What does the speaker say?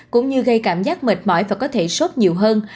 cũng như gây cảm giác mệt mỏi và có thể sốt nhiều hơn